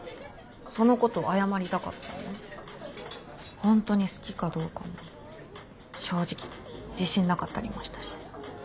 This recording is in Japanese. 本当に好きかどうかも正直自信なかったりもしたし。